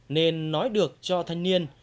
nên nói được cho thanh niên